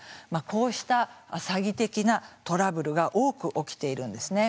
こうした詐欺的なトラブルが多く起きているんですね